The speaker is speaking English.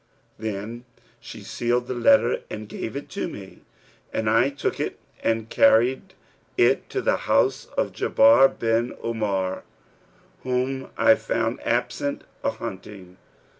Then she sealed the letter and gave it to me; and I took it and carried it to the house of Jubayr bin Umayr, whom I found absent a hunting.